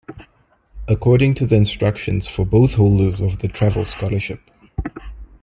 According to the instructions for both holders of the travel scholarship.